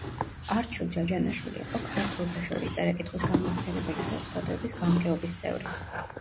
არჩილ ჯაჯანაშვილი იყო ქართველთა შორის წერა-კითხვის გამავრცელებელი საზოგადოების გამგეობის წევრი.